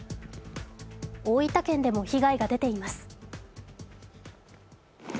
大分県でも被害が出ています。